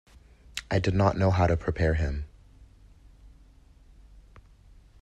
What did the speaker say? I did not know how to prepare him..